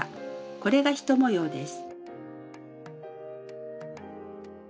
これが１模様です。